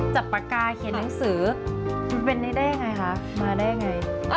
จับปากกาเขียนหนังสือมันเป็นนี้ได้ยังไงคะมาได้ยังไง